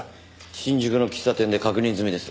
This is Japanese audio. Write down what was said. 新宿の喫茶店で確認済みです。